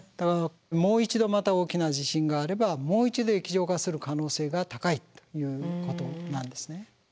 もう一度また大きな地震があればもう一度液状化する可能性が高いということなんですね。